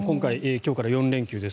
今日から４連休です。